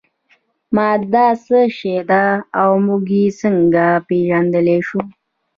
ماده څه شی ده او موږ یې څنګه پیژندلی شو